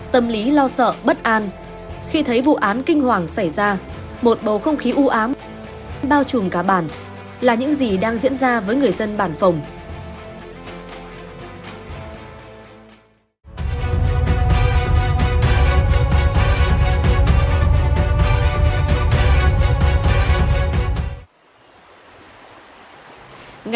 tâm lý lo sợ bất an khi thấy vụ án kinh hoàng xảy ra một bầu không khí u ám bao trùm cá bàn là những gì đang diễn ra với người dân bản phòng